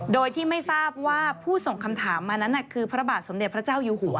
โดยที่ไม่ทราบว่าผู้ส่งคำถามมานั้นคือพระบาทสมเด็จพระเจ้าอยู่หัว